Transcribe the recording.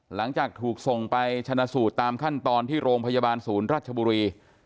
หลังจากถูกส่งไปชนะสูตรตามขั้นตอนที่โรงพยาบาลศูนย์ราชบุรี